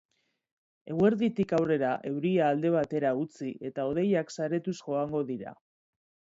Eguerditik aurrera euria alde batera utzi eta hodeiak saretuz joango dira.